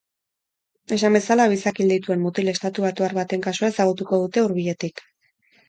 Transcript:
Esan bezala, bi zakil dituen mutil estatubatuar baten kasua ezagutuko dute hurbiletik.